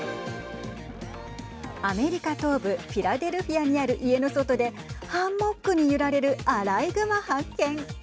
アメリカ東部フィラデルフィアにある家の外でハンモックに揺られるアライグマ発見。